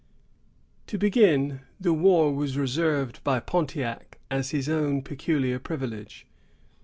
To begin the war was reserved by Pontiac as his own peculiar privilege.